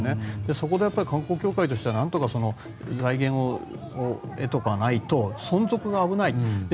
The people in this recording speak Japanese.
そこでやっぱり観光協会としては財源を得ておかないと存続が危ない。